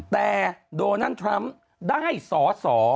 แต่โดนัลด์ทรัมป์ได้สอสอ